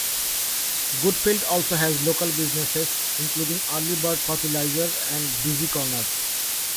Goodfield also has local businesses including Early Bird Fertilizer and Busy Corner.